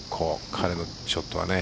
彼のショットはね。